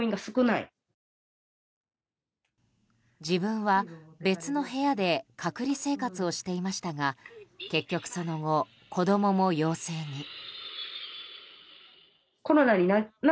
自分は別の部屋で隔離生活をしていましたが結局その後、子供も陽性に。